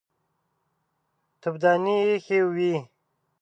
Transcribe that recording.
تفدانۍ ايښې وې.